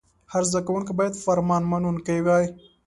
هر زده کوونکی باید فرمان منونکی وای.